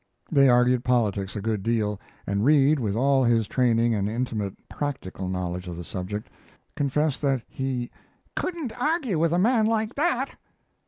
They argued politics a good deal, and Reed, with all his training and intimate practical knowledge of the subject, confessed that he "couldn't argue with a man like that."